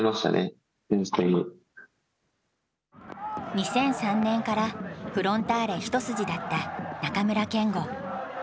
２００３年からフロンターレ一筋だった中村憲剛。